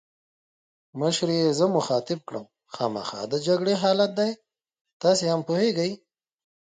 مشرې یې زه مخاطب کړم: خامخا د جګړې حالات دي، تاسي هم پوهېږئ.